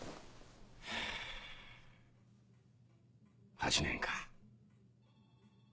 ８年か。